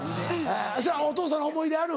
お父さんの思い出ある？